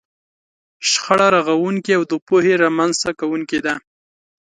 شخړه رغونکې او د پوهې رامنځته کوونکې ده.